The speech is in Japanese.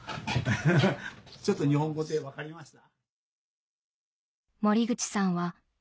フフフちょっと日本語で分かりました？